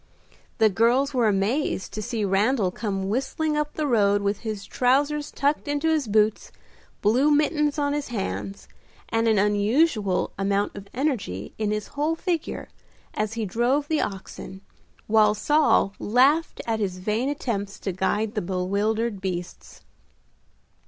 The girls were amazed to see Randal come whistling up the road with his trousers tucked into his boots, blue mittens on his hands, and an unusual amount of energy in his whole figure, as he drove the oxen, while Saul laughed at his vain attempts to guide the bewildered beasts.